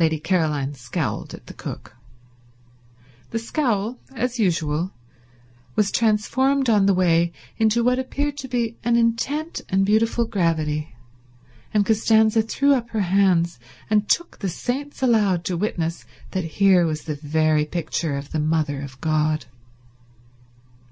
Lady Caroline scowled at the cook. The scowl, as usual, was transformed on the way into what appeared to be an intent and beautiful gravity, and Costanza threw up her hands and took the saints aloud to witness that here was the very picture of the Mother of God.